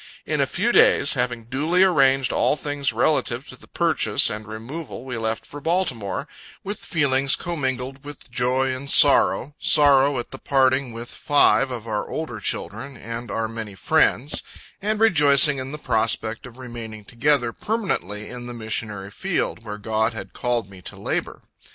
In a few days, having duly arranged all things relative to the purchase and removal, we left for Baltimore, with feelings commingled with joy and sorrow sorrow at parting with five of our older children, and our many friends; and rejoicing in the prospect of remaining together permanently in the missionary field, where God had called me to labor.